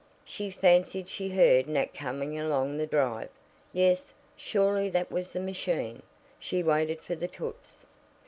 She fancied she heard Nat coming along the drive. Yes, surely that was the machine. She waited for the toots.